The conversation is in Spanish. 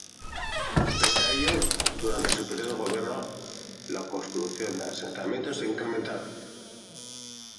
Pese a ello, durante su periodo de gobierno la construcción de asentamientos se incrementaron.